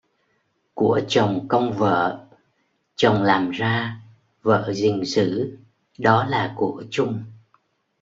Của chồng, công vợ: chồng làm ra, vợ gìn giữ, đó là của chung.